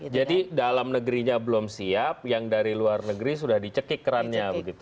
jadi dalam negerinya belum siap yang dari luar negeri sudah dicekik kerannya